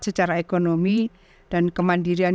secara ekonomi dan kemandirian